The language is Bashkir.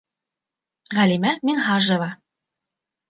Ғәлимә Минһажева.